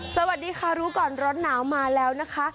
สวัสดีค่ะรู้ก่อนร้อนหนาวมาแล้วนะคะ